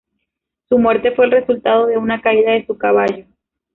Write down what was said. Su muerte fue el resultado de una caída de su caballo.